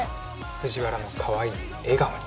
藤原のかわいい笑顔に！